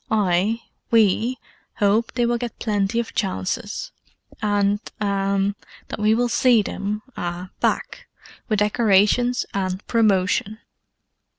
I—we—hope they will get plenty of chances: and—ah—that we will see them—ah—back, with decorations and promotion.